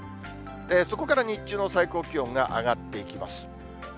そこから日中の最高気温が上がっていきます。